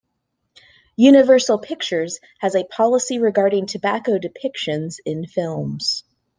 Universal Pictures has a "Policy Regarding Tobacco Depictions in Films".